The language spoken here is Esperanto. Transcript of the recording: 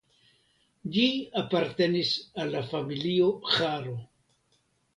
Ĝi apartenis al la familio Haro.